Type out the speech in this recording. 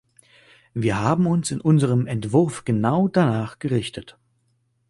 Wir haben uns in unserem Entwurf genau danach gerichtet.